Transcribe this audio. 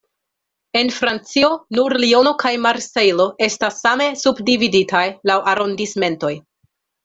En Francio, nur Liono kaj Marsejlo estas same subdividitaj laŭ arondismentoj.